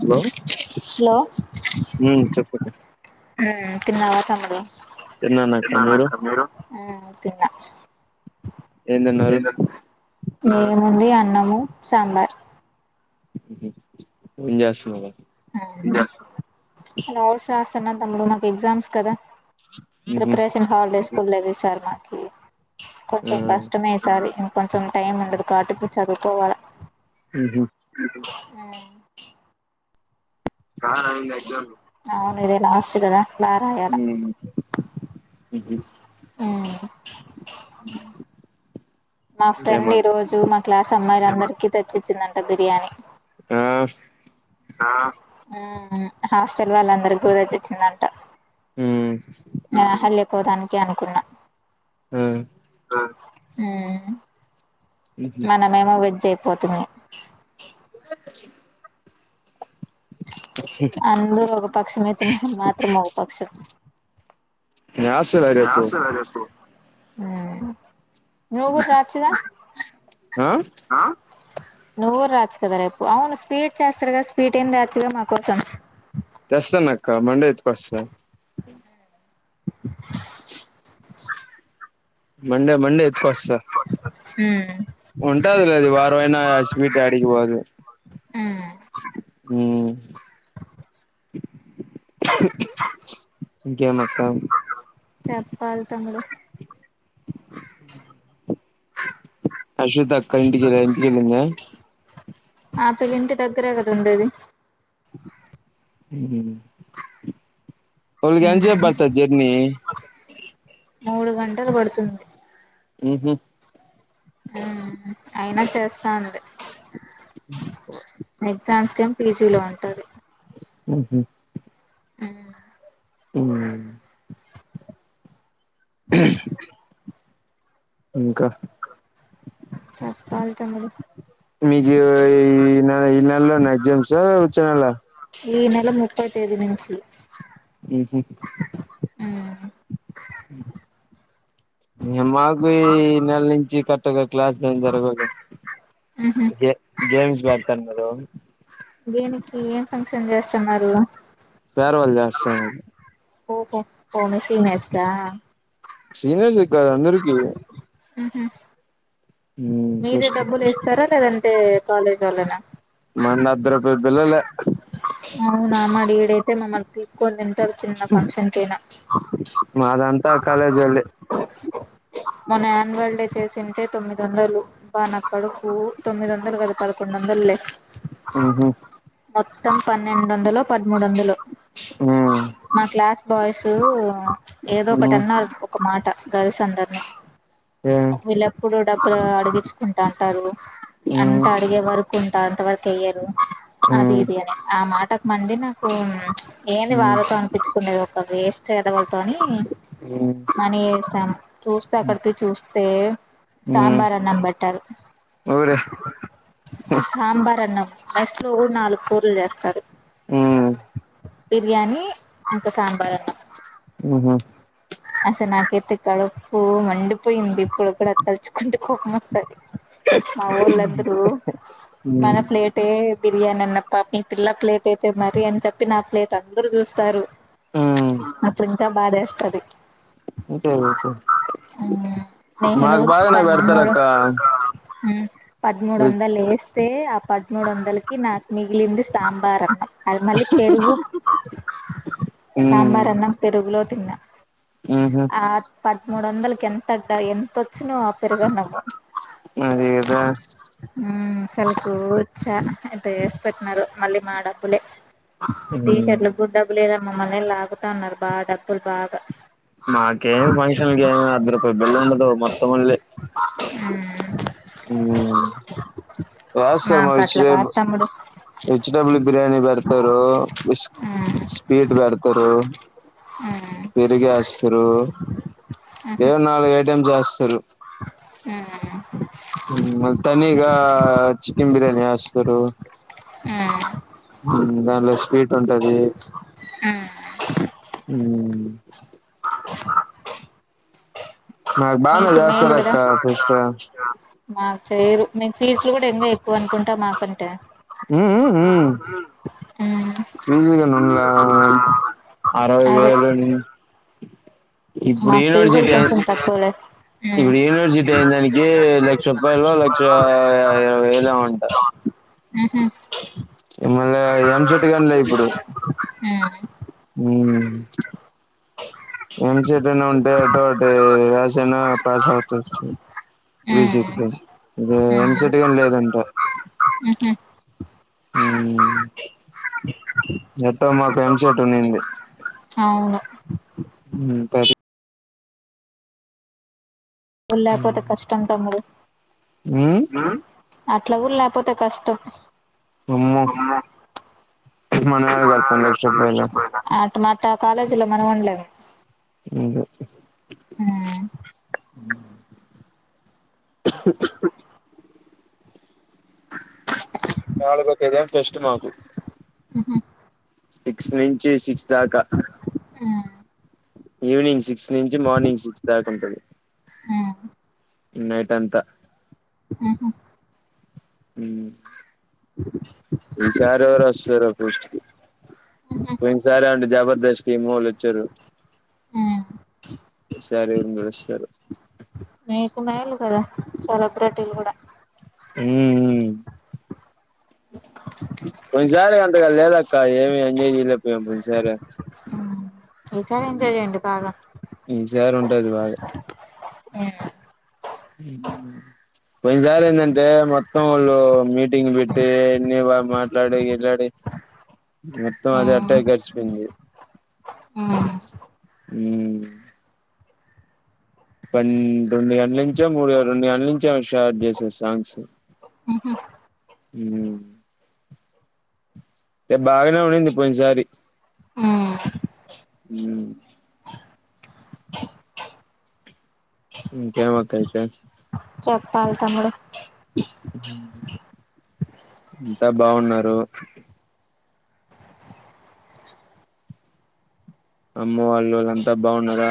Hello hello ఉ ఉమ్ చెప్పు తిన్నావా తమ్ముడు తిన్నాను అక్క మీరు ఉ తిన్నా ఏం తిన్నారు నేయ్యము ఉంది అన్నము సాంబార్ ఏం చేస్తున్నారు గా నోట్స్ రాస్తున్న తమ్ముడు నాకు ఎగ్జామ్స్ కదా ఉహు ప్రిపరేషన్ హాలిడేస్ కులేది సార్ మాకి కొంచెం ఆ కష్టమే ఈ సారి ఇం కొంచెం టైమ్ ఉండదు కాటుకి చదువుకోవాల ఉహా ఉ అవును ఇదే లాస్ట్ గదా బాగా రాయాల ఉమ్ ఉ హ మా ఫ్రెండ్ ఈ రోజు మా క్లాస్ అమ్మాయిల అందరికీ తెచ్చిచ్చిందంట బిర్యానీ ఆహ్ ఆహ్ హాస్టల్ వాళ్ళ అందరి కూడా తెచ్చచ్చిందంట హ్మ్ ఆ హల్లపోదానికి అనుకున్నా ఆ ఉహు ఉహు మనమేమో వెజ్ అయిపోతు మీ ఊళ్ళకు పిలిచి అందురు ఒక పక్షమేతేన్నా మాత్రం మగ పక్షం న్యాసలరి ఎప్పు ఉహు నువ్ గూడా రాచ్చుగా ఆ ఆ నువ్ గూడ్ రాత్ ఈస్ కదా రేపు అవును స్పీట్ చేస్తారు కద స్పీట్ ఏం దచ్చుగా మా కోసం తేస్తానక్క మండే యిత్తుకస్తా మండే మండే ఎత్కోస్త ఉమ్ ఉంటదిలే అది వారం అయినా స్పీట్ అడిగిపోద్ ఉమ్ ఉ ఇంకెమక్క చెప్పాలి తమ్ముడు [unintelligible] అశ్విత్ అక్క ఇంటికెలే ఇంటికెల్లిందా ఆ పిల్లా ఇంటి దగ్గరే గదా ఉండేది ఉహు వొళ్కెంత్ సేప్ ఉమ్ బడుతది జెర్నీ మూడు గంటలు బడుతుంది ఉహు ఉమ్ అయినా చేస్తా అండి ఎగ్జామ్స్ కెం పీజీ లో అంటాది మ్మ్ హు మ్మ్ ఉమ్మ్ [unintelligible] ఇంక చెప్పాలి తమ్ముడు మీకు ఈ ఈ నెల ఈ నెల్లోనా ఎగ్జామ్స్ వచ్చే నెల ఈ నెల ముప్పై తేదీ నుంచి మ్ హు ఉమ్ ఉహు ఇగ మాకు ఈ నెల్ నించి కర్టగా క్లాస్ లేం జరగవులే ఉహు గే గేమ్స్ బెడతారు కదు దేనికి ఏం ఫంక్షన్ జేస్తన్నారు ఎసెమ్బ్లీ ఓహో ఓ మీ సీనియర్స్ కా సీనియర్స్ గాదు అందరూ సీనియ మ్ హు మీరే ఫస్ట్ డబ్బులేస్తారా లేదంటే కాలేజోల్లేనా మన్ అర్ద రూపాయ్ బిల్లలే అవునా మాడీడైతే మమ్మల్ని పిక్కొని తింటారు చిన్న ఫంక్షన్ కైన మాదంతా కాలేజోల్లే మొన్న యాన్యువల్ డే చేసింటే తొమ్మిదొందలు బ నా కడుపు తొమ్మిదొందలు కాదు పదకొండు వందల్లే మ్ హు మొత్తం పన్నెండొందలో పదమూడొవందలో ఉమ్ మా క్లాస్ బాయ్స్ ఏదో ఉమ్ ఒకటన్నారు ఒక మాట గర్ల్స్ అందరిని ఏ వీళ్ళేప్పుడు డబ్బులు అడిగిచుకున్ డంటారు ఉమ్ అంత అడిగే వరకు ఉంటారు కెయ్యరు అది ఉమ్ ఇది అని ఆ మాటకు మండి నాకు ఏంది వా ఉమ్ అనిపించుకునేది ఒక వేస్ట్ ఎదవల్తో అని ఉమ్ మనీ ఎసాం చూస్తే అక్కడికి చూస్తే ఉమ్ సాంబార్ అన్నం బెట్టారు ఊరే సా సాంబార్ అన్నం మెస్లో గూడ నాలుగు కూరలు చేస్తారు ఉమ్ బిర్యానీ ఇంకా సాంబార్ అన్నం ఉహు అసల్ నాకైతే కడుపు మండిపోయింది ఇప్పుడు కూడా తలుచుకుంటే కోపం వస్తాది మా వొళ్ళందరూ ఉమ్ మన ప్లేటే బిర్యానీ అన్నప్ప మీ పిల్ల ప్లేట్ అయితే మరి అని చెప్పి నా ప్లేట్ అందరు జూస్తారు ఉమ్ అప్పుడు ఇంకా బాధ ఎస్తది అంతే కదా. మ్ నేను మాకు బాగానే తన్మయ పెడతారక్క పదమూడు వందలు ఎస్తే ఆ పదమూడు వందలకి నా మిగిలింది సాంబార్ అన్నం మళ్ళీ పెరుగు సాంబార్ అన్నం పెరుగులో తిన్నా మ్ హు ఆ పదమూడు వందలకి ఎంత అడ ఎంతచ్చునొ ఆ పెరుగన్నం అదేదో మ్మ్ అసలుకు చాన అంట ఎసి పెట్టిన్నారు మళ్ళీ మా డబ్బులే టీ మ్మ్ షర్ట్లకు డబ్బు కూడా లేదని మమ్మల్ని లాగుతా ఉన్నారు బా డబ్బులు బాగా మాకేం ఫంక్షన్ కైనా అర్ద రూపాయి బళ్ల ఉండదు మొత్తమ్ వాళ్ళె మ్మ్ అ ఎస్ సర్మా మాకు అట్లా వెజిటేబల్ కాదు తమ్ముడు వెజిటేబల్ బిర్యానీ బెడతారు మ్మ్ స్పీడ్ బెడతారు మ్మ్ పెరుగు ఏస్తారు ఏ మ్హు నాలుగు ఏఐటమ్ చేస్తారు అ అ మొత్తానిగా చికెన్ బిర్యాని ఏస్తారు మ్మ్ ఉమ్ దానిలో స్పీట్ ఉంటది ఉమ్ బానే మీట్ మేలు చేస్తారు గద అక్క ఫెస్ట్ మాకు చేయరు మీకు ఫీజులు కూడా ఎన్నో ఎక్కువ అనుకుంటా మాకుంటే ఉఊ ఊ ఉ మ్మ్ ఫీజలుగానున్నల అరవై వేలని మాకు ఫీజిల్ కొంచెం తక్కువలే ఇప్పుడు యూనివర్సిటీ అయిన దానికి లక్ష రూపాయలు లక్ష ఇరవై వేలో అంట ఉమ్ ఉహు ఇమళ ఏం చెట్టుగాంలే ఇప్పుడు మ్మ్ ఉమ్ ఎం సెట్ నా ఉంటే అటుో ఒకటిే రాస అయ్నా పాస్ అవచ్చు ప్రీ సీట్ హ్మ్. గాని ఇద ఎంసెట్ట్గాని లేదంట ఉహ ఉమ్ ఎట్ట మాక్ ఎం సెట్ ఉనింది అవును. ఉండకపోతే కష్టం తమ్ముడు అట్లా కూడా లేపోతే కష్టం [inaudible] అమ్మో మనమేడ కడతాం లక్ష రూపాయలు మాట కాలేజీలో మనం ఉండలేము ఎంగదు తి ఉమ్ [unintelligible] నాలుగుకుదే ఫష్ట మాకు ఉహు సిక్స్ నుంచి సిక్స్ దాకా హ్మ్. ఈవినింగ్ సిక్స్ నుంచి మార్నింగ్ సిక్స్ దాక ఉంటది హ్మ్. నైట్ అంత ఉహు ఉం ఈసారెవరోస్తారో పోస్ట్ కీ పోయినసరీ ఉంటే జబర్దస్త్ టీం వాల్లు వచ్చారు హ్మ్. సారి ఉన్న వస్తారు సలా సెలబ్రిటీలు కూడా ఉం ఉమ్ పోయిన్సారీ అంతగా లేద ఏమి ఎంజాయ్ చేయలేకపోయినం ఈ సారి ఈసారి ఎంజాయ్ చేయడి బాగా ఈసారి ఉంటది ఆ అ పోయిన్సారీ ఏందంటే మొత్తం వాళ్ళు మీటింగ్ పెట్టి నివా మాట్లాడి గిట్లడి మొత్తం అది అట్టా గడిచిపోయింది ఉం ఉం పన్న రెండు గంటల నుంచే మూడు రెండు గంటల నుంచ షేట్ చేసారు సాంగ్స్ హు బాగానే ఉంది పోయినస్సారి హ్మ్. అ [unintelligible] చెప్పాలి తమ్ముడు ఇంత బాగున్నారు అమ్మ వాల్ వాళ అంతా బాగున్నార